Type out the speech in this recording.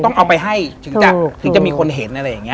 ต้องเอาไปให้ถึงจะถึงจะมีคนเห็นอะไรอย่างนี้